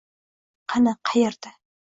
- Qani, qayerda?!